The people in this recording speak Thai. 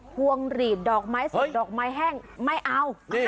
พวงหลีดดอกไม้สดดอกไม้แห้งไม่เอา